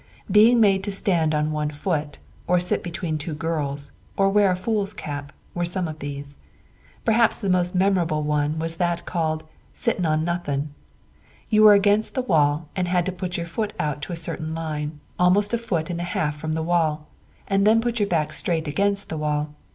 Being made to stand on one foot, or sit between two girls, or wear a fool's cap, were some of these. Perhaps the most memorable one was that called "sitting on nothing." You were against the wall and had to put your foot out to a certain line, almost a foot and a half from the wall, and then put your back straight against the wall.